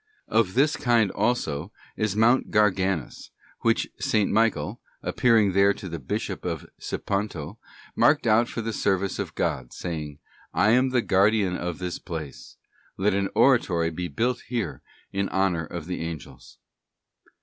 Of this kind also is Mount Garganus which S. Michael, appearing there to the Bishop of Siponto, marked out for the service of God, saying: ' Iam the guardian of this place, let an oratory be built here in honour of the Angels.